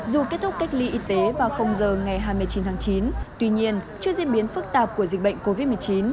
dù kết thúc cách ly y tế vào giờ ngày hai mươi chín tháng chín tuy nhiên trước diễn biến phức tạp của dịch bệnh covid một mươi chín